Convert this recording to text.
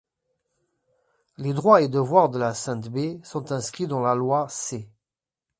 Les droits et devoirs de la StB sont inscrits dans la loi č.